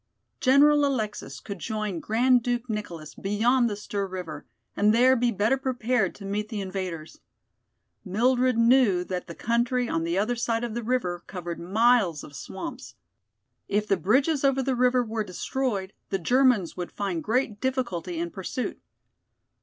General Alexis could join Grand Duke Nicholas beyond the Styr River and there be better prepared to meet the invaders. Mildred knew that the country on the other side of the river covered miles of swamps. If the bridges over the river were destroyed, the Germans would find great difficulty in pursuit.